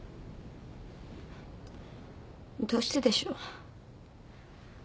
どうしてでしょ。